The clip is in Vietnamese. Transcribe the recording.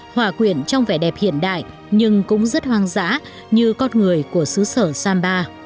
hòa quyện trong vẻ đẹp hiện đại nhưng cũng rất hoang dã như con người của xứ sở samba